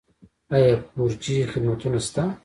آیا فور جي خدمتونه شته؟